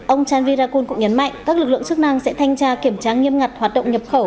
ông chanvirakul cũng nhấn mạnh các lực lượng chức năng sẽ thanh tra kiểm tra nghiêm ngặt hoạt động nhập khẩu